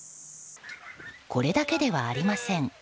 これだけではありません。